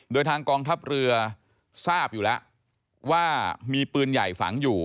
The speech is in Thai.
โดยทางกองทัพเรือทราบอยู่แล้วว่ามีปืนใหญ่ฝังอยู่